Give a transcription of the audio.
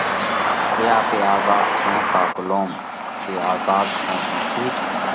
جي آپي آزاڌ سون ڪا ڳلُوم؟ جي آزاڌ سون تو ٺِيڪ